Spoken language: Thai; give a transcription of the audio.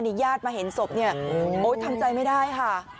นี่ญาติมาเห็นศพเนี่ยโอ๊ยทำใจไม่ได้ค่ะ